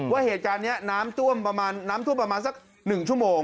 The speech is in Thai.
ว่าเหตุการณ์นี้น้ำต้วมประมาณสัก๑ชั่วโมง